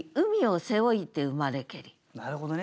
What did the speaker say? なるほどね。